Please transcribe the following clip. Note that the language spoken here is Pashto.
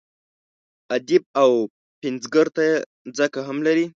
ادیب او پنځګر ته یې ځکه هم لري.